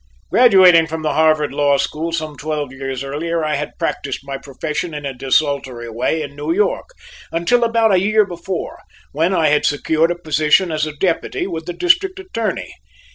Graduating from the Harvard Law School some twelve years earlier, I had practised my profession in a desultory way in New York, until about a year before, when I had secured a position as a deputy with the District Attorney.